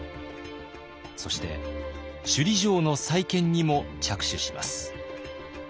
そして首里城の再建にも着手します。